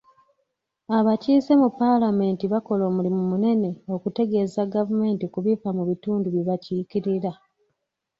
Abakiise mu paalamenti bakola omulimu munene okutegeeza gavumenti ku bifa mu bitundu bye bakiikirira.